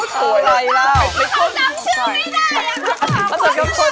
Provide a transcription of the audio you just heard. เขาจำชื่อไม่ได้อะ